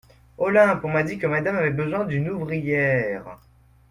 Olympe On m'a dit que Madame avait besoin d'une ouvrière.